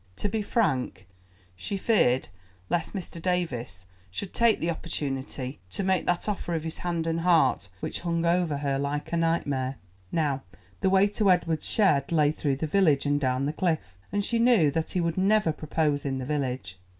To be frank, she feared lest Mr. Davies should take the opportunity to make that offer of his hand and heart which hung over her like a nightmare. Now the way to Edward's shed lay through the village and down the cliff, and she knew that he would never propose in the village.